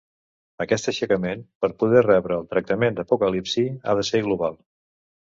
Aquest aixecament, per poder rebre el tractament d'apocalipsi, ha de ser global.